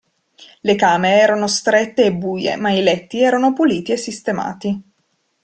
Le camere erano strette e buie, ma i letti erano puliti e sistemati.